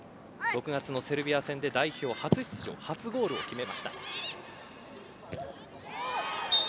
６月のセルビア戦で代表初出場初ゴールを決めました。